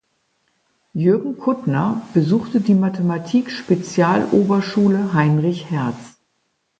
Jürgen Kuttner besuchte die Mathematik-Spezialoberschule Heinrich Hertz.